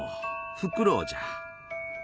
フクロウじゃ。